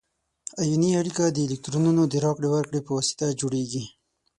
ایوني اړیکه د الکترونونو د راکړې ورکړې په واسطه جوړیږي.